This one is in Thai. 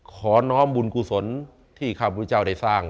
ขอน้อมบุญกุศลที่ข้าพุทธเจ้าได้สร้าง